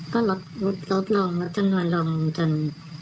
ก็ลดลงลดจำนวนลงจน